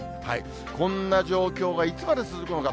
こんな状況がいつまで続くのか。